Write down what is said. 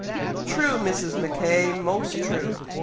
'" "True, Mrs. Mackay! most true!